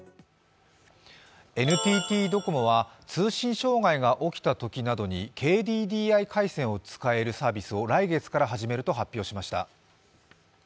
ＮＴＴドコモは通信障害が起きたときなどにＫＤＤＩ回線を使えるサービスを来月から始めると発表しました。